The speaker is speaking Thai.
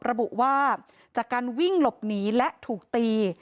ระบุว่าจากการวิ่งหลบหนีและถูกตี